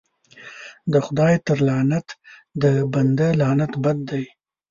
د خداى تر لعنت د بنده لعنت بد دى.